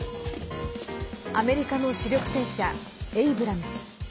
アメリカの主力戦車エイブラムス。